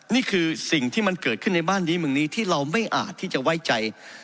นี่คือสิ่งที่มันเกิดขึ้นในบ้านนี้เมืองนี้ที่เราไม่อาจที่จะไว้ใจ